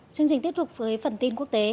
chương trình tiếp tục với phần tin quốc tế